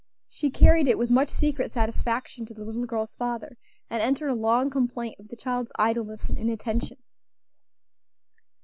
She carried it with much secret satisfaction to the little girl's father, and entered a long complaint of the child's idleness and inattention.